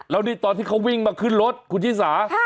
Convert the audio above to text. แล้วนี่ตอนที่เขาวิ่งมาขึ้นรถคุณชิสา